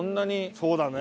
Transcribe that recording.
そうだね。